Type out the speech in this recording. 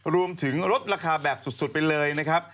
รวมถึงลดราคาแบบสุดไปเลยนะครับ